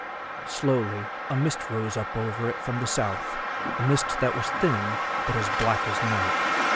Slowly a mist rose up over it from the South, a mist that was thin but as black as night.